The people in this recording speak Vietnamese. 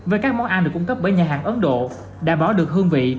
với các món ăn được cung cấp bởi nhà hàng ấn độ đảm bảo được hương vị